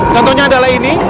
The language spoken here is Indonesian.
contohnya adalah ini